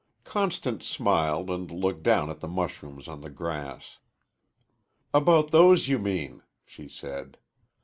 Constance smiled and looked down at the mushrooms on the grass. "About those, you mean," she said.